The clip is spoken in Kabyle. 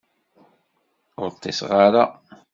Ur ṭṭiṣeɣ ara.